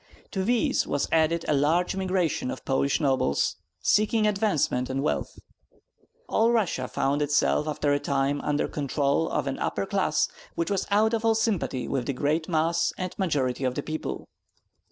To these was added a large immigration of Polish nobles seeking advancement and wealth. All Russia found itself after a time under control of an upper class which was out of all sympathy with the great mass and majority of the people.